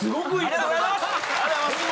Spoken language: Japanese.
ありがとうございます！